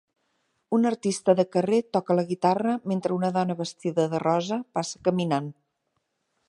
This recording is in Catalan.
Un artista de carrer toca la guitarra mentre una dona vestida de rosa passa caminant